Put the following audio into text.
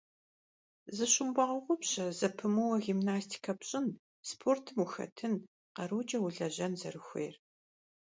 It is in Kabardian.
Зыщумыгъэгъупщэ зэпымыууэ гимнастикэ пщӀын, спортым ухэтын, къарукӀэ улэжьэн зэрыхуейр.